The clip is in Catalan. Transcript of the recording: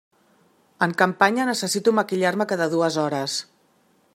En campanya necessito maquillar-me cada dues hores.